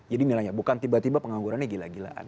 jadi nilainya bukan tiba tiba penganggurannya gila gilaan